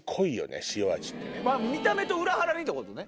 見た目と裏腹にってことね？